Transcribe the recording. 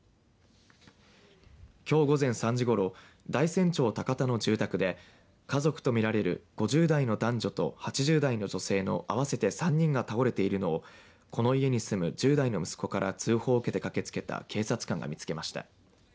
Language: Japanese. きょう午前３時ごろ大山町高田の住宅で家族と見られる５０代の男女と８０代の女性の合わせて３人が倒れているのをこの家に住む１０代の息子から通報を受けて駆けつけた警察官が見つけました。